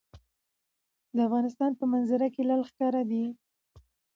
د افغانستان په منظره کې لعل ښکاره ده.